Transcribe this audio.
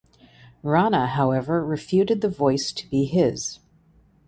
Rana however refuted the voice to be his.